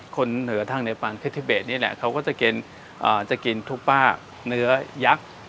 คนเหนือทั้งเนียปันคิดที่เบสนี่แหละเขาก็จะกินจะกินทุปป้าเนื้อยักษ์